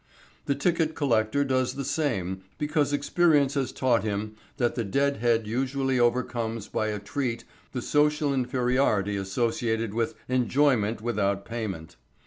The ticket collector does the same because experience has taught him that the dead head usually overcomes by a treat the social inferiority associated with "enjoyment without payment."